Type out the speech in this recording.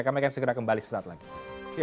kami akan segera kembali sesaat lagi